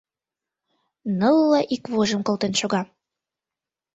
Нылле ик вожым колтен шога.